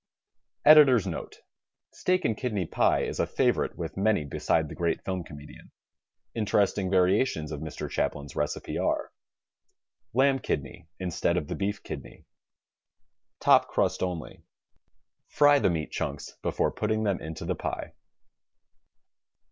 Editor's Note: — Steak and kidney pie is a favorite with many beside the great film comedian. Interesting variations of Mr. Chaplin's recipe are : Lamb kidney instead of the beef kidney. Top crust only. Fry the meat chunks before putting them into the pie.